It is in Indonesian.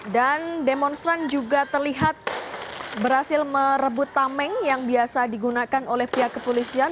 dan demonstran juga terlihat berhasil merebut tameng yang biasa digunakan oleh pihak kepolisian